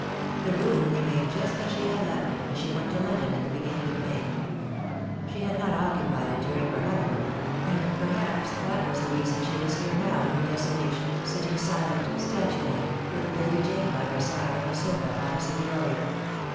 The room re mained just as she had left it when she went to London at the beginning of May. She had not occupied it during her honeymoon; and perhaps that was the reason she was here now in her desolation, sitting silent, statue like, with Lady Jane by her side, on a sofa opposite the oriel.